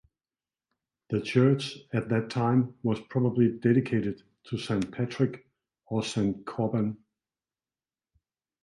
The church at that time was probably dedicated to St Patrick or St Corban.